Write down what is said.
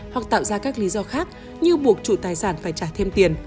hoặc tạo ra các lý do khác như buộc chủ tài sản phải trả thêm tiền